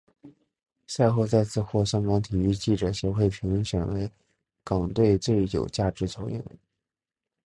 赛后再次获香港体育记者协会评选为港队最有价值球员。